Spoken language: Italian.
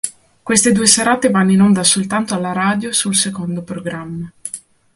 Queste due serate vanno in onda soltanto alla radio sul Secondo Programma.